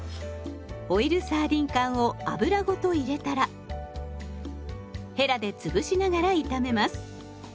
オイルサーディン缶を油ごと入れたらヘラで潰しながら炒めます。